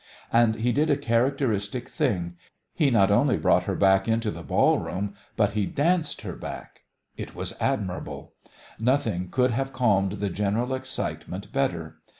And he did a characteristic thing: he not only brought her back into the ball room, but he danced her back. It was admirable. Nothing could have calmed the general excitement better.